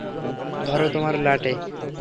ধরো, তোমার ল্যাটে।